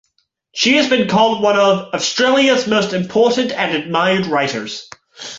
She has been called one of "Australia's most important and admired writers".